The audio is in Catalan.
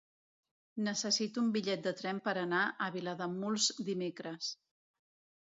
Necessito un bitllet de tren per anar a Vilademuls dimecres.